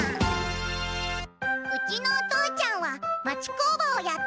「うちのお父ちゃんは町工場をやっています。